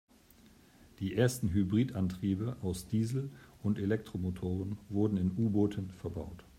Die ersten Hybridantriebe aus Diesel- und Elektromotor wurden in U-Booten verbaut.